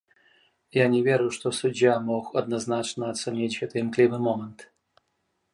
Я не веру, што суддзя мог адназначна ацаніць гэты імклівы момант.